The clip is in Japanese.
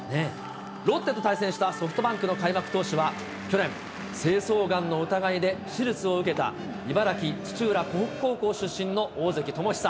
ロッテと対戦したソフトバンクの開幕投手は、去年、精巣がんの疑いで手術を受けた、茨城・土浦湖北高校出身の大関友久。